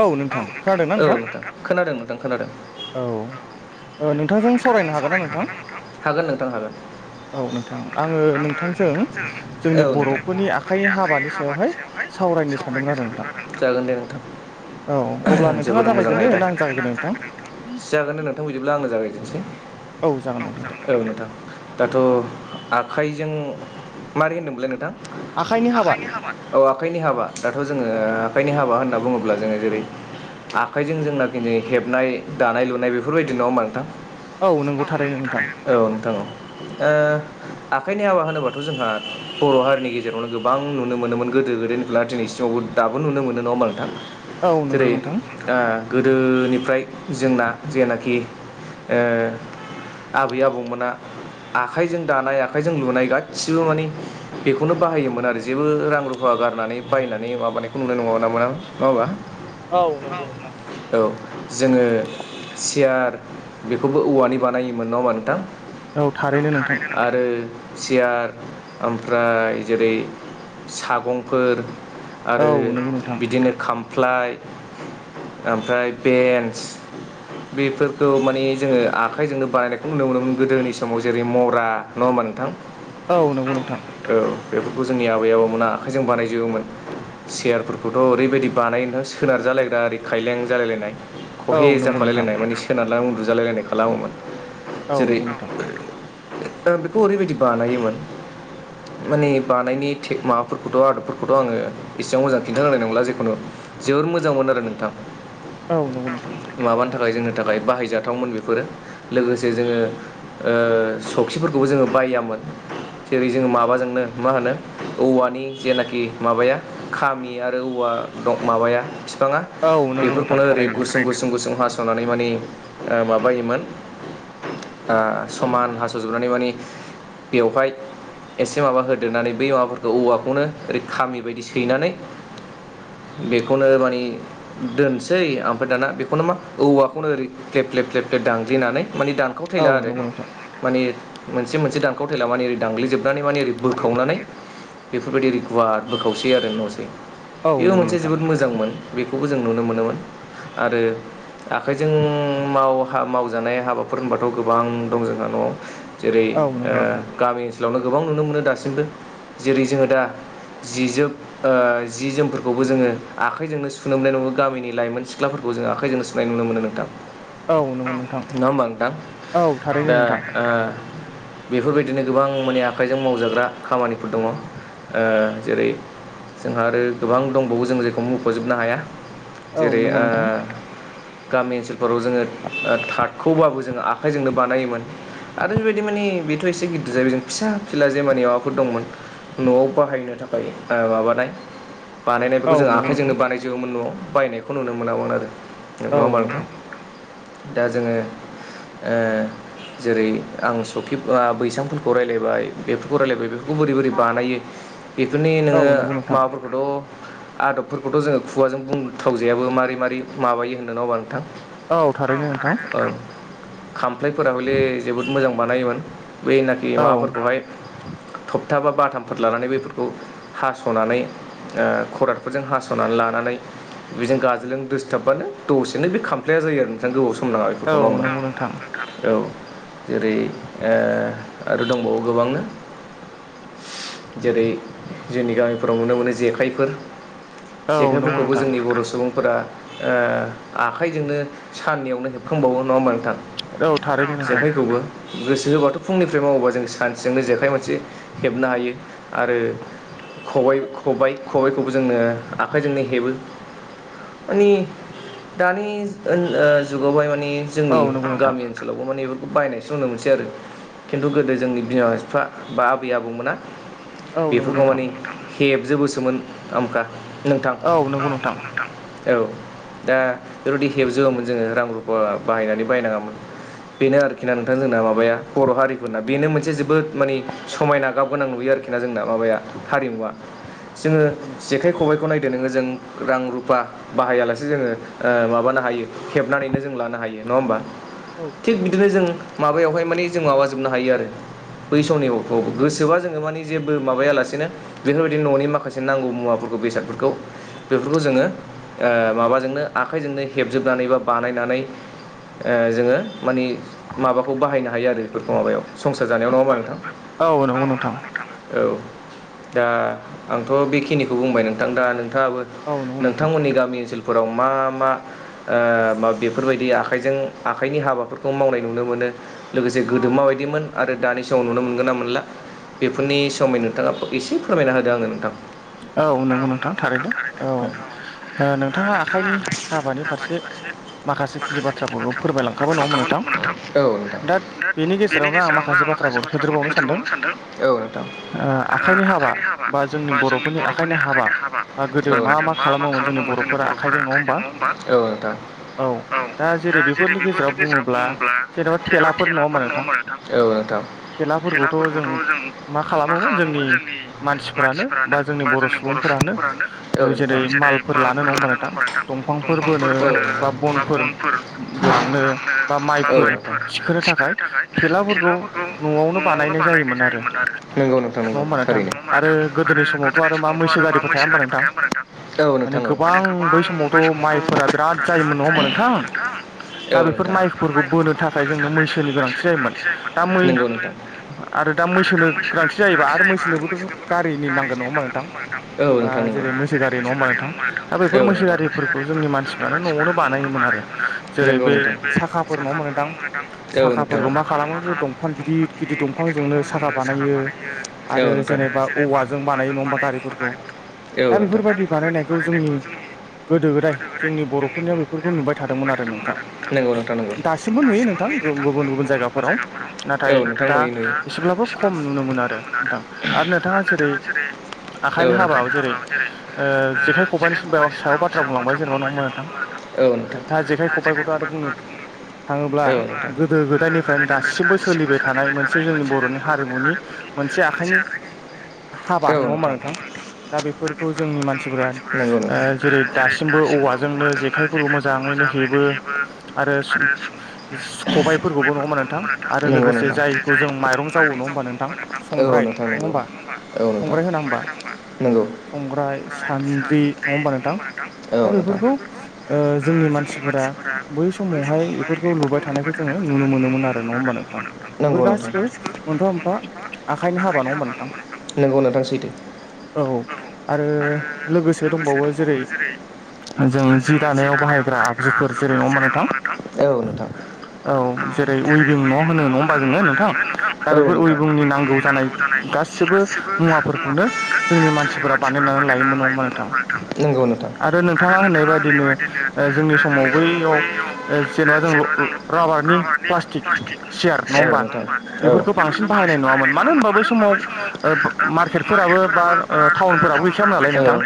औ नोंथां खोनादोंना नोंथां? औ। ओ नोंथांजों सावरायनो हागोन ना नोंथां? हागोन नोंथां हागोन। औ नोंथां आङो नोंथांजों जोंनि बर'फोरनि आखाइ हाबानि सायावहाय जागोन दे नोंथां। जोबोद मोजां आयदा जागोन दे नोंथां बिदिब्ला आङो जागाय सै औ नोंथां दाथ' आख खायजों मारै होनदोंमोनलाय नोंथां? औ आखाइनि हाबा दाथ' जोङो आखाइनि हाबा होनना बुङो ब्ला जोङो जेरै आखाइजों जोंनाखिनै हेबनाय दानाय लुनाय बेफोरबायदि नङा होमबा नोंथां? औ नोंथां औ। दा आखाइनि हाबा होनोबाथ' जोंहा बर' हारिनि गेजेरावनो गोबां नुनो मोनोमोन गोदो गोदायनिब्ला दिनैसिमावबो दाबो नुनो मोनो नङा होमबा नोंथां? जेरै ओ गोदोनिफ्राय जोंना जेनाखि ओ आबै आबौमोना आखाइजों दानाय आखाइजों लुनाय गासिबो मानि बेखौनो बाहायोमोन आरो जेबो रां रुफा गारनानै बायनानै माबानायखौ नुनो नङा ना मोन आं नङा होमबा? औ जोङो सियार बेखौबो औवानि बानायोमोन नङा होमबा नोंथां? औ थारैनो नोंथां। सियार ओमफ्राय जेरै सागंफोर आरो बिदिनो खाम प्लाइ आमफ्राय बेन्स बेफोरखौ मा ने जोङो आखाइजोंनो बानायनायखौ नुनो मोनोमोन गोदोनि समाव जेरै मरा नङा होमबा नोंथां? औ नंगौ नोंथां। बेफोरखौ जोंनि आबै आबौमोना आखाइजों बानायजोबोमोन। सियारफोरखौथ' ओरैबायदि बानायोमोन सोनार जालायग्रा ओरै खायलें जालायलायनाय खहे जाफालायलायनाय माने सोनार उन्दुजालायलायनाय खालामोमोन। जेरै ओ बेखौ ओरैबायदि बानायोमोन माने बानायनि तेक माबाफोरखौथ' आदबफोरखौथ' आङो एसेबां मोजां खिन्थानो रोंनाय नंला जिखुनु जोबोर मोजांमोन आरो नोंथां। औ नंगौ नोंथां। थाखाय जोंनो थाखाय बाहायजा‌ थावमोन बेफोरो लोगोसे जोङो ओ स'खिफोरखौबो जोङो बायामोन। जेरै जोङो माबाजोंनो मा होनो औवानि जेनाखि माबाया खामि आरो औवा आ दं माबाया फिफाङा बेफोरखौनो ओरै गुसुं गुसुं गुसुं हास'नानै मानि ओ माबायोमोन ओ समान हास'जोबनानै मानि बेवहाय एसे माबा होदेरनानै बै माबाफोरखौ औवाखौनो ओरै खामि बायदि सैनानै बेखौनो मानि दोनसै आमफ्राय दाना बेखौनो मा औवाखौनो ओरै ग्लेब-ग्लेब-ग्लेब-ग्लेब दानग्लिनानै मानि दानखाव थायला आरो मानि मोनसे मोनसे दानखाव थायला मानि दानग्लिजोबनानै मानि ओरै बोखावनानै बेफोरबायदि ओरै गुवार बोखावसै आरो न'सै बेबो मोनसे जोबोद मोजांमोन। बेखौबो जों नुनो मोनोमोन आरो आखाइजों ओं मावहा मावजानाय हाबाफोर होनबाथ' गोबां दं जोंहा न' जेरै ओ गामि ओनसोलावनो गोबां नुनो मोनो दासिमबो जेरै जोङो दा जि जोब ओ जि जोमफोरखौबो जोङो आखाइजोंनो सुुनो मोनाय नङो गामिनि लाइमोन सिख्लाफोरख खौ जों आखाइजोंनो सिनाय नुनो मोनो नोंथां। नङा होमबा नोंथां? दा ओ बेफोरबायदिनो गोबां माने आखाइजों मावजाग्रा खामानिफोर दङ ओ जेरै जोंहा आरो गोबां दंबावो जों जेखौ मख'जोबनो हाया। जेरै ओ गामि ओनसोलफोराव जो जोंङो ओ थाखौबाबो जोङो आखाइजोंनो बानायोमोन आरो बेबायदि माने बेथ' एसे गिदिर जायो बेजों फिसा फिला जेमानि माबाफोर दंमोन न'आव बाहायनो थाखाय ओ माबानाय बानायनाय बे जों आखाइजोंनो बानायजोबोमोन न'आव बायनायखौ नुनो मोनामोन आरो नों नङा होमबा नोंथां? दा जोङो ओ जेरै आं सखि आ बैसांफोरखौ रायलायबाय बेफोरखौ रायलायबाय बेफोरखौ बोरै बोरै बानायो । बेफोरनि नोङो माबाफोरखौथ' आदबफोरखौथ' जोङो खुगाजों बुंथावजायाबो मारै मारै माबायो होनोनांगोबा नोंथां । खामफ्लायफोर ले जोबोद मोजां बानायोमोन बैनाखि माबाफोरखौहाय थ थाबा बाथामफोर लानानै बेफोरखौ हास'नानै ओ खरादफोरजों हास'नानै लानानै। बेजों गाजोलजों दोसथाबबानो दसेनो बे खामफ्लाया जायो नोंथां गोबव स म नङा बेफोरखौ नंङा होनबा औ । जेरै ओ आरो दंबावो गोबांनो । जेरै जोंनि गामिफोराव नुनो मोनो जेखाइफोर । जेखाइफोरखौबो जोंनि बर' सुबुंफोरा ओ आखाय जोंनो साननैयावनो हेबखांबावो नङा होमबा नोंथां जेखाइखौबो । गोसो होबाथ' फुंनिफ्राय मावोबा जों सानसेजोंनो जेखाइ मोनसे हेबनो हायो आरो खबाय खबाय खबायखौबो जोंनो आखाइजोंनो हेबो मानि दानि ओ जुगावहाय माने जोंनि गामि ओनसोलावबो माने बे फोरखौ बायनायसो नुनो मोनसै आरो खिन्थु गोदो जोंनि बिमा बिफा बा आबै आबौमोना बेफोरखौ माने हेबजोबोसोमोन आमखा औ नंगौ नोंथां। औ दा बेरबायदि हेबजोबोमोन जोङो रां रुफा बाहायनानै बायनाङामोन बेनो आरोखि ना नोंथां जोंना माबाया बर' हारिफोरना बेनो मोनसे जोबोद माने समायना गाब गोनां नुयो आरोखि ना जोंना। माबाया हारिमुवा जोङो जेखाइ खबाइखौ नायदो नोङो जों रां रुफा बाहायालासे जोंङो माबा हायो हेबनानैनो जों लानो हायो नङा होमबा थिग बिदिनो जों माबायावहाय माने जों माबाजोबनो हायो आरो। बै समनि खौ गोसोबा जोङो माने जेबो माबायालासिनो बेफोरबायदि न'नि माखासे नांगौ मुवा बेसादफोरखौ बेफोरखौ जोङो माबाजोंनो आखाइजोंनो हेबजोबनानै बा बानायनानै ओ जोङो मानि माबाखौ बाहायनो हायो आरो बेफोरखौ माबायाव संसार जानायाव नङा होमबा नोंथां? औ दा आंथ' बेखिनिखौ बुंबाय नोंथां दा नों नोंथाङाबो नोंथांमोननि गामि ओनसोलफोराव मा मा ओ बेफोरबायदि आखाइजों आखाइनि हाबाफोरखौ मावनाय नुनो मोनो लोगोसे गोदो दों माबायदिमोन आरो दानि समाव नुनो मोनगोन ना मोनला बेफोरनि समै नोंथाङा एसे फोरमायना होदो आङो नोंथां । औ नंगौ नोंथां थारैनो औ ओ नोंथाङा आखाइनि हाबानि फारसे माखासेखिनि बाथ्राफोरबो फोरमायलांखाबाय नङा होमबा नोंथां । दा बेनि गेजेरावनो आं माखासे बाथ्राफोर सोदेरबावनो सानदों। ओ आखाइनि हाबा बा जोंनि बर'फोरनि आखाइनि हाबा बा गोदो मा मा खालामोमोन जोंनि बर'फोरा आखाइजों नङा होमबा? औ दा जेरै बेफोरनि गेजेराव बुङोब्ला जेनेबा थेलाफोर नङा होमबा नोंथां? थेलाफोरखौथ' जों मा खालामोमोन जोंनि मानसिफ्रानो बा जोंनि बर' सुबुंफोरानो जेरै मालफोर लानो नङा होमबा नोंथां दंफांफोर बोनो बा बनफोर लांनो बा माइफोर थिखोनो थाखाय थेलाफोरखौ न'आवनो बानायनाय जायोमोन आरो। नङ होमबा नोंथां आरो गो गोदोनि समावथ' आरो मा मैसो गारिफोर थाया होमबा नोंथां माने गोबां बै समावथ' माइफोरा बिराद जायोमोन न हबा नोंथां दा बेफोर माइ फोरखौ बोनो थाखाय जोंनो मैसोनि गोनांथि जायोमोन दा मै आरो दा मैसोनो गोनांथि जायोबा आरो मैसोनोबोथ' गा नांगोन नङा होनबा नोंथा जेरै मैसो गारि नङा होनबा नोंथां दा बेैफोर मैसो गारिफोरखौ जों जोंनि मानसिफ्रानो न'आवनो बानायोमोन आरो जेरै बेै साखाफोर नङा होनबा नोथां साखाफोरखौ मा खालामो बे दंफां गिदिर गिदिर दंफांजोंनो साखा बानायो आरो जेनेबा औवाजों बानायो नङा हबा गारिफोरखौ दा बेफोरबायाददि बानायनायखौ जोंनि गोदो गोदाय जोंनि बर'फोरनियाव बेफोरखौ नुबाय थादोंमोन आरो नोंथां दा दासिमबो नुयो नोंथां गुबुन गुबुन जायगाफोराव नाथाय दा एसेब्लाबो खम नुनो मोनो आरो। नोंथां आरो नोंथाङा नोंथाङा जेरै औ ओंखायनो हाबा जेरै ओ जेखाइ खबाइनि सायाव सायाव बाथ्रा बुंलांबाय जों नंगौना औ जेखाइ खबाइखौथ आरो ओ गोदो गोदायनिफ्राय दासिमबो सोलिबाय थानाय मोनसे जोंनि बर'नि हारिमुनि औ नोंथां। दा बेफोरखौ जोंनि मानसि ओ जेरै दासिमबो औवाजोंनो जेखाइफोरखौ मोजां यैनो जेबो आरो खबाइफोरखौबो नङा होमबा नोंथां आरो लोगोसे जायखौ जों माइरं जावो नङा होमबा नोंथां संग्राय [unintelligible] संग्राय होना होमबा संग्राय सान्द्रि नङा होमबा नोंथां। दा बेफोरखौ ओ जोंनि मानसिफोरा बै समावहाय बेफोरखौ लुबाय थानायखौ जोङो नुनो मोनोमोन आरो नङा होमबा नोंथां बेफोर गासिबो मोनफा मोनफा आखाइनि हाबा नङा होमबा नोंथां नोंगौ नथां सैथो औ आरो लोगोसे दंबावो जेरै जों जि दानायाव बाहायग्रा आगजुफोर जेरै [unintelligible] औ जेरै उइभिं न' होनो नङा होमबा जोङो नोंथां दा बेफोर उइभिंनि नांगौ जानाय गासैबो गासिबो मुवाफोरखौनो जोंनि मानसिफोरा बानायनानै लायोमोन नङा होनबा नोंथां। आरो नोंथाङा होननाय बायदिनो ओ जोंनि समाव बैयाव ओ जेनबा राबारनि फ्लास्थिख सियार नङा होमबा बेफोरखौ बांसिन बाहायनाय नुवामोन मा मानो होनबा बेै समाव ओ मार्केटफोराबो बा ओ टाउनफोराबो गैखायामोन नालाय नोंथां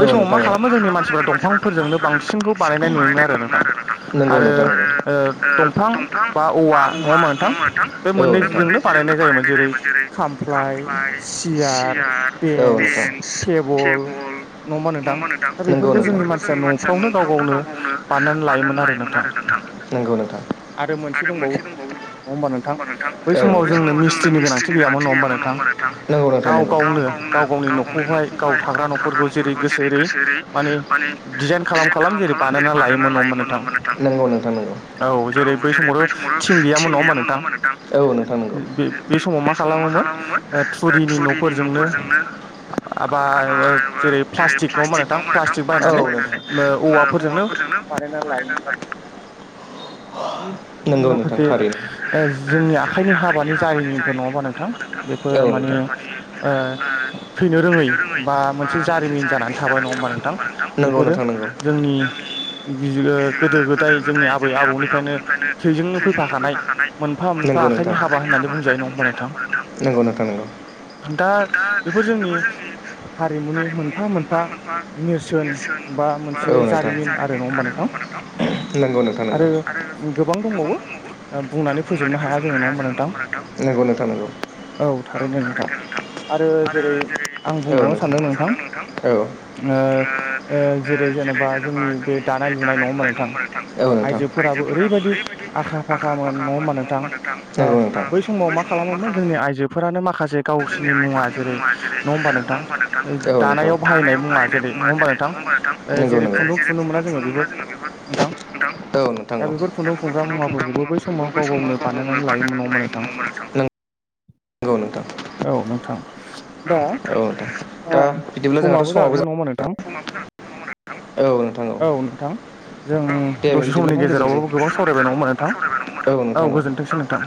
बै समाव मा खालामो जोंनि मानसिफोर दंफांफोरजोंनो बांसिनखौ बानायनाय नुयोमोन आरो नोंथां आरो ओ दंफां बा औवा नङा मोनथां बे मोननैजोंनो बानायनाय जायोमोन जेरै जेरै खामफ्लाय सियार बेन्स टेबोल नंगौ नोंथां बेफोरखौ जोंनि मानसिया न'फ्रावनो गाव गावनो बानायनानै लायोमोन आरो। नंगौ नोंथां। आरो मोनसे दंबावो होनबा नोंथां बै समाव जोंनो मिस्ट्रिनि गोनांथि गैयामोन गाव गावनो गाव गावनि न'खखौहाय गाव थाग्रा न'खरखौ जेरै गोसो एरै माने दिजाइन खालाम खालाम जेरै बानायना लायोमोन नखौ नोंथां नंगौ नोंथां नंगौ। औ जेरै बै समावथ' थिं गैयामोन नङा होनोमबा नोंथां बे बे समाव मा खालामोमोन थुरिनि न'फोरजोंनो माबा जेरै प्लास्टिक नङा होनबा नोंथां प्लास्टिक बायनानै औवाफोरजोंनो बानायना लायोमोन [inaudible] माखासे जोंनि आखाइनि हाबानि जारिमिनफोर नङाबा नोंथां बेफोर माने ओ थैनो रोङै बा मोनसे जारिमिन जानानै थाबाय नङा नोंथां बेफोरो जोंनि गोदो [unintelligible] नाथाय जोंनि आबै आबौनिफ्रायनो थैजोंनो फैफाखानाय मोनफा मोनफा आखाइनि हाबा होननानै बुंजायो नंगौ नोंथा नंगौ दा बे जोंनि [unintelligible] हारिमुनि मोनफा मोनफा औ नोंथां नोंगौ नों [unintelligible] आरो गोबां दंबावो बुंनानै फोजोबनो हाया जोङो नोंथां नंगौ नोंथां नंगौ औ थारैनो नोंथां आरो जेरै औ ननो सानदों नोंथां औ [unintelligible] ओ ओ जेरै जेनेबा जोंनि बे दानाय लुनाय न नोंथां आइजोफोराबो ओरैबायदि आखा फाखा मोन नङा होमबा नोंथां बै समाव मा खालामोमोन जोंनि आइजोफोरानो माखा माखासे गावसोरनि मुङा जेरै नङा होमबा नोंथां दानायाव बाहायनाय मुङा जेरै नङा होमबा नङा होनबा नोंथां नंगौ नौ जेरै खुदुं फुनोब्ला जों बे नोंथां औ नोंथां दा बे फुन्दाव थुंग्रा मुवाफोरखौबो बै समाव गाव गावनो बानायनानै लायोमोन नंगौना नोंथां नोंगौ औ नोंथां दा औ दे दा बिदिब्ला जोंहाथ' समाबो जाबाय [unintelligible] औ नोंथां जों दसे समनि गेजेरावबो गोबां सावरायबाय नङा होनबा नोंथां औ गोजोन्थोंसै नोंथां